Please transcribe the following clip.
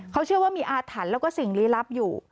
เขาเชื่อว่ามีอาถรรพ์แล้วก็สิ่งลี้ลับอยู่